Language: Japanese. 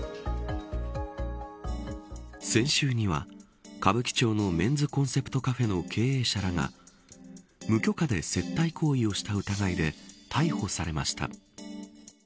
先週には、歌舞伎町のメンズコンセプトカフェの経営者らが無許可で接待行為をした疑いで逮捕されました。